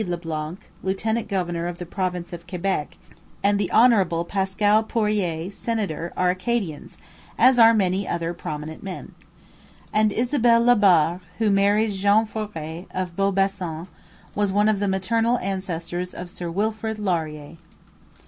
Le Blanc, lieutenant governor of the province of Quebec, and the Hon. Pascal Poirier, senator, are Acadians, as are many other prominent men. And Isabella Labarre, who married Jean Foret, of Beaubassin, was one of the maternal ancestors of Sir Wilfrid Laurier.